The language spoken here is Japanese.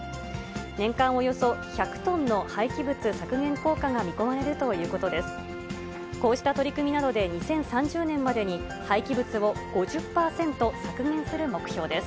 年間およそ１００トンの廃棄物削減効果が見込まれるということです。